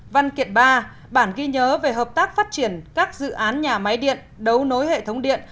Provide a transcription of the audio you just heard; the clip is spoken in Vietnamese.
văn kiện ba bản ghi nhớ về hợp tác phát triển các dự án nhà máy điện đấu nối hệ thống điện